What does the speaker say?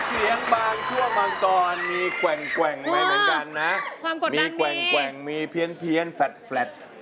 มีกว่างมีเพี้ยนแฟลท